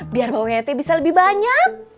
biar baunya teh bisa lebih banyak